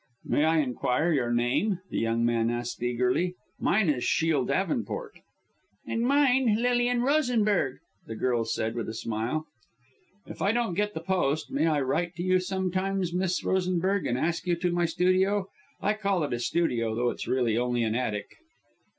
"May I inquire your name?" the young man asked eagerly. "Mine is Shiel Davenport." "And mine Lilian Rosenberg," the girl said, with a smile. "If I don't get the post, may I write to you sometimes, Miss Rosenberg, and ask you to my studio. I call it a studio, though it's really only an attic."